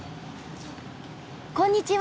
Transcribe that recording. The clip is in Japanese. こんにちは！